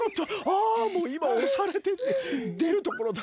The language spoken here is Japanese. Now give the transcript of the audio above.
ああもういまおされてでるところだった。